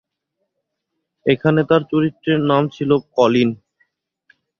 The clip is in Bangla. এখানে তার চরিত্রের নাম ছিলো কলিন।